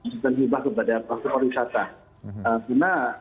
bukan hibah kepada pelaku pariwisata